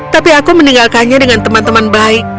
tapi aku meninggalkannya dengan teman teman baik